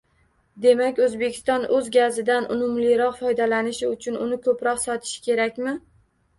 Demak, O‘zbekiston o‘z gazidan unumliroq foydalanishi uchun uni ko‘proq sotishi kerakmi